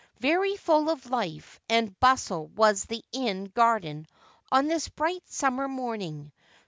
Very full of life and bustle was the inn garden on this bright summer morning.